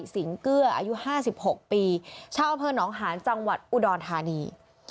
สิงเกื้ออายุ๕๖ปีชาวอำเภอหนองหาญจังหวัดอุดรธานี